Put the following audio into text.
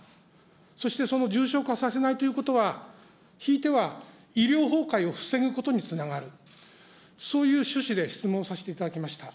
そしてその重症化させないということは、ひいては、医療崩壊を防ぐことにつながる、そういう趣旨で質問させていただきました。